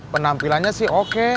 penampilannya sih oke